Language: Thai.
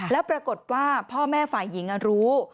แล้วปรากฏว่าพ่อแม่ฝ่ายหญิงรู้